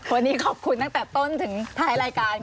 วันนี้ขอบคุณตั้งแต่ต้นถึงท้ายรายการ